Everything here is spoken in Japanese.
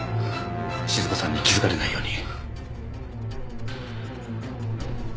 静子さんに気づかれないように。